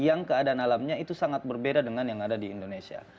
yang keadaan alamnya itu sangat berbeda dengan yang ada di indonesia